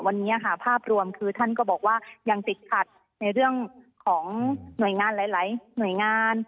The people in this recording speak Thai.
วันนี้ค่ะภาพรวมคือท่านก็บอกว่ายังติดขัดในเรื่องของหน่วยงานหลายหน่วยงาน